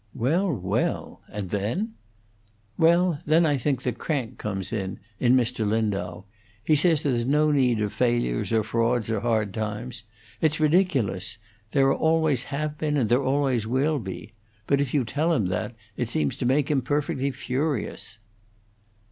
"Well, well! And then?" "Well, then I think the crank comes in, in Mr. Lindau. He says there's no need of failures or frauds or hard times. It's ridiculous. There always have been and there always will be. But if you tell him that, it seems to make him perfectly furious."